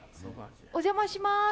お邪魔します。